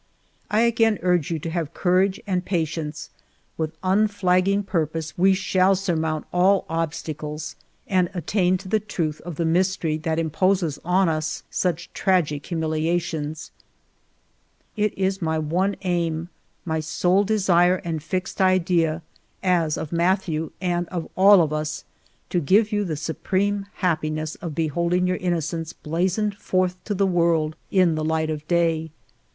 I again urge you to have courage and pa tience ; with unflagging purpose we shall sur mount all obstacles and attain to the truth of the mystery that imposes on us such tragic humilia tions. It is my one aim, my sole desire and fixed idea, as of Mathieu, and of all of us, to give you the supreme happiness of beholding your innocence blazoned forth to the world in the light of day.